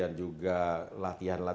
dan dari sisi tiang maha